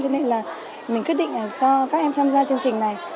cho nên là mình quyết định cho các em tham gia chương trình này